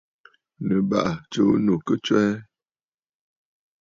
Nɨ̀ bàrà tsuu ɨnnù ki tswɛɛ.